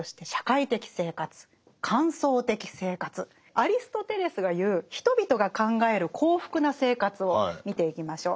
アリストテレスが言う人々が考える幸福な生活を見ていきましょう。